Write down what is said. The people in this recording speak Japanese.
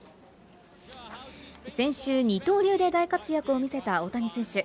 先週、二刀流で大活躍を見せた大谷選手。